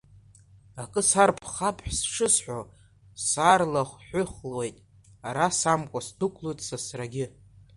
Акы сарԥхап шысҳәо, сарлаҳәыхуеит, ара самкуа, сдәықәлоит сасрагьы.